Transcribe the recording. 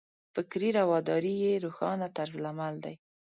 فکري رواداري یې روښانه طرز عمل دی.